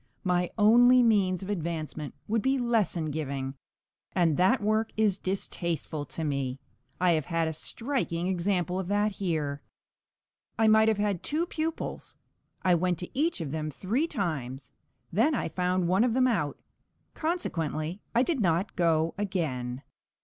My only means of advancement would be lesson giving, and that work is distasteful to me. I have had a striking example of that here. I might have had two pupils. I went to each of them three times, then I found one of them out; consequently I did not go again.